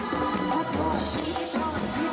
โทษทีจะได้ผลปลีขอให้รวยขอให้รวย